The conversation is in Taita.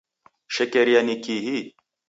Shekeria ni kihi?.